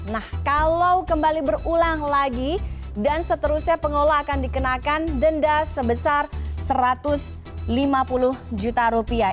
nah kalau kembali berulang lagi dan seterusnya pengelola akan dikenakan denda sebesar satu ratus lima puluh juta rupiah